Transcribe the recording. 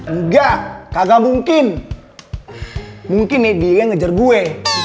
enggak kagak mungkin mungkin nih dia ngejar gue